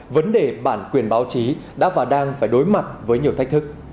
vấn đề bản quyền báo chí đã và đang phải đối mặt với nhiều thách thức